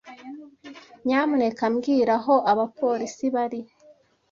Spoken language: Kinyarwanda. Nyamuneka mbwira aho abapolisi bari.